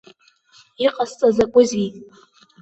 Иҟасҵа закәызеи?